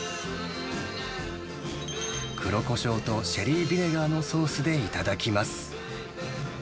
黒コショウとシェリービネガーのソースで頂きます。